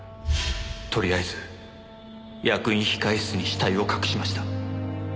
とりあえず役員控室に死体を隠しました。